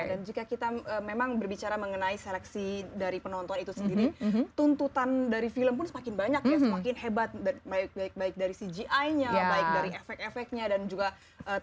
dan jika kita memang berbicara mengenai seleksi dari penonton itu sendiri tuntutan dari film pun semakin banyak ya semakin hebat baik baik baik dari cgi nya baik dari efek efeknya dan juga tentunya